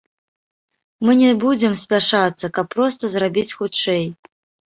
Мы не будзем спяшацца, каб проста зрабіць хутчэй.